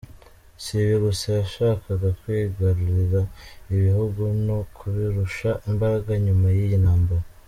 Si ibi gusa, yanshakaga kwigarurira ibihugu no kubirusha imbaraga nyuma y’iyi ntambara.